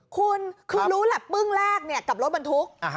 คุณคือรู้แหละปึ้งแรกกับรถบรรทุก